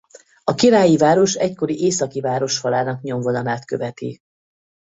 A királyi város egykori északi városfalának nyomvonalát követi.